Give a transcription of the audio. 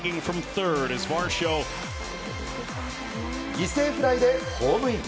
犠牲フライでホームイン。